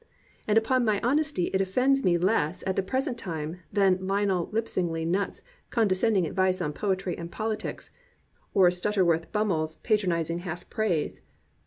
And upon my honesty it offends me less at the pres ent time than Lionel Lispingly Nutt's condescend ing advice on poetry and politics, or Stutterworth Bummell's patronizing half praise.